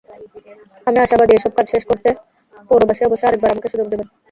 আমি আশাবাদী, এসব কাজ শেষ করতে পৌরবাসী অবশ্যই আরেকবার আমাকে সুযোগ দেবেন।